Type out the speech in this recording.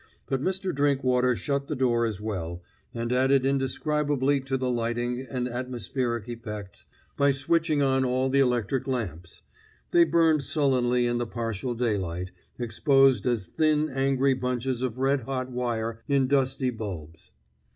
But Mr. Drinkwater shut the door as well, and added indescribably to the lighting and atmospheric effects by switching on all the electric lamps; they burned sullenly in the partial daylight, exposed as thin angry bunches of red hot wire in dusty bulbs.